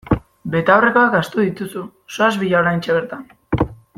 Betaurrekoak ahaztu dituzu, zoaz bila oraintxe bertan!